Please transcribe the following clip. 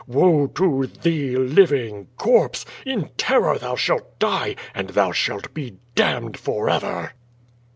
Woe to thee, living corpse, in terror thou shalt die, and thou shalt be damned forever!"